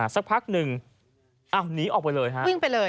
สักพักหนึ่งอ้าวหนีออกไปเลยฮะ